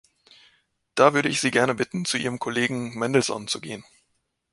Da würde ich Sie gerne bitten, zu Ihrem Kollegen Mandelson zu gehen.